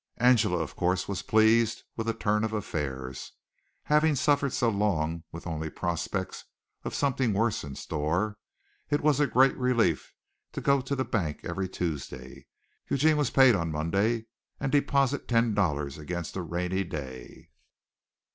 Angela, of course, was pleased with the turn of affairs. Having suffered so long with only prospects of something worse in store, it was a great relief to go to the bank every Tuesday Eugene was paid on Monday and deposit ten dollars against a rainy day.